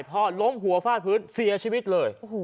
พ่อลงหัวฝ้าพื้นเสียชีวิตเลย